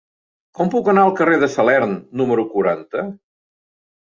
Com puc anar al carrer de Salern número quaranta?